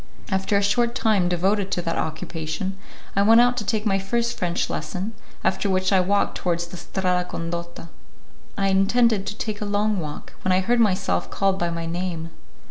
After a short time devoted to that occupation, I went out to take my first French lesson, after which I walked towards the Strada Condotta. I intended to take a long walk, when I heard myself called by my name.